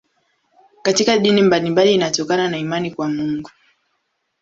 Katika dini mbalimbali inatokana na imani kwa Mungu.